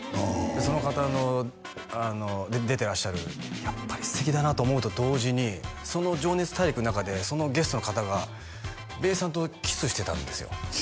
その方の出てらっしゃるやっぱり素敵だなと思うと同時にその「情熱大陸」の中でそのゲストの方がべーさんとキスしてたんですよ